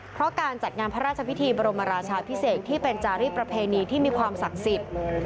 เพราะการจัดงานพระราชพิธีบรมราชาพิเศษที่เป็นจารีประเพณีที่มีความศักดิ์สิทธิ์